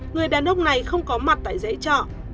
người đàn ông này không có mặt tại dãy trọ